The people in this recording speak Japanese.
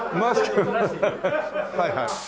はいはい。